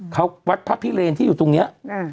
เขาวัดพระพิเรนที่อยู่ตรงนี้